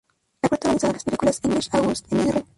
Ha protagonizado las películas "English, August", "Mr.